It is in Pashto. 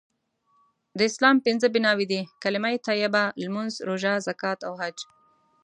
د اسلام پنځه بنأوي دي.کلمه طیبه.لمونځ.روژه.زکات.او حج